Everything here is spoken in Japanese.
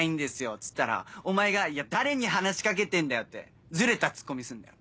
っつったらお前が「いや誰に話し掛けてんだよ！」ってズレたツッコミすんだよ。